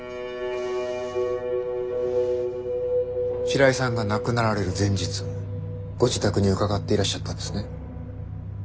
白井さんが亡くなられる前日ご自宅に伺っていらっしゃったんですね。